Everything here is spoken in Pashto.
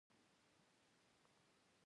ساقي وویل سمه ده زه به هڅه وکړم.